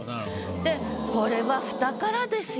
でこれは「蓋」からですよ。